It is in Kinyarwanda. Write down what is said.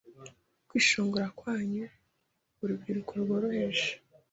kwishongora kwanyuma Urubyiruko rworoheje